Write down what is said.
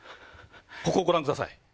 ここをご覧ください。